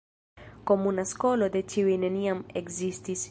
Komuna skolo de ĉiuj neniam ekzistis.